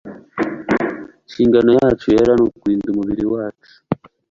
Inshingano yacu yera ni ukurinda umubiri wacu